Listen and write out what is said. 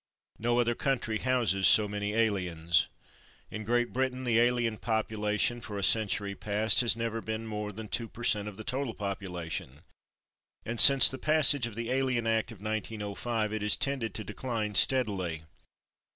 No other country houses so many aliens. In Great Britain the alien population, for a century past, has never been more than 2 per cent of the total population, and since the passage of the Alien Act of 1905 it has tended to decline steadily.